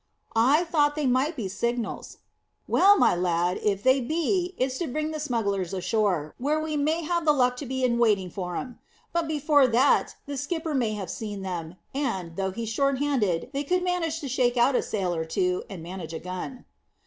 "I thought they might be signals." "Well, my lad, if they be, it's to bring the smugglers ashore, where we may have the luck to be in waiting for 'em. But before that the skipper may have seen them, and, though he's short handed, they could manage to shake out a sail or two, and manage a gun."